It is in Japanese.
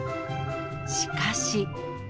しかし。